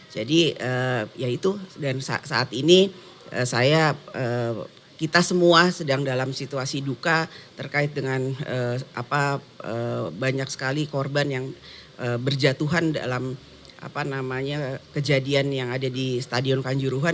jadi ya itu dan saat ini kita semua sedang dalam situasi duka terkait dengan banyak sekali korban yang berjatuhan dalam kejadian yang ada di stadion kanjuruhan